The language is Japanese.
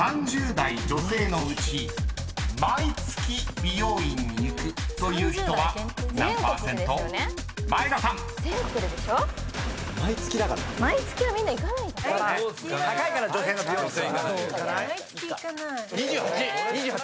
［３０代女性のうち毎月美容院に行くという人前田さんの予想１３％］